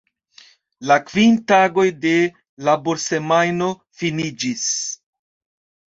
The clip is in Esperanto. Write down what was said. La kvin tagoj de laborsemajno finiĝis.